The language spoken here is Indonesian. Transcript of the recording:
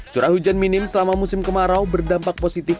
curah hujan minim selama musim kemarau berdampak positif